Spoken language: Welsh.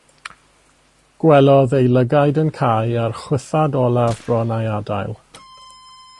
Gwelodd ei lygaid yn cau a'r chwythad olaf bron a'i adael.